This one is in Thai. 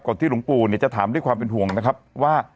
ที่หลวงปู่จะถามด้วยความเป็นห่วงนะครับว่า